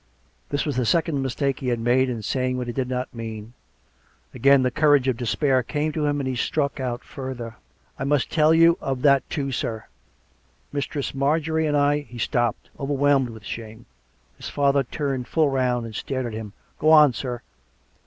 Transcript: This was the second mistake he had made in saying what he did not mean. ... Again the courage of despair came to him, and he struck out further. " I must tell you of that too, sir," he said. " Mistress Marjorie and I " He stopped, overwhelmed with shame. His father turned full round and stared at him. " Go on, sir."